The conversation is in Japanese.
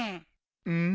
うん？